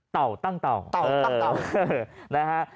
เต่าตั้งเต่า